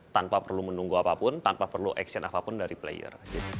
tanpa perlu menunggu apapun tanpa perlu action apapun dari player